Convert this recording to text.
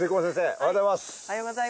おはようございます。